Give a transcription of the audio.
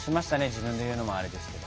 自分で言うのもあれですけど。